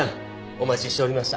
お待ちしておりました。